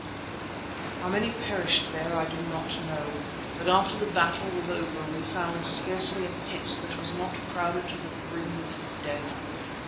How many perished there I do not know, but after the battle was over we found scarcely a pit that was not crowded to the brim with dead.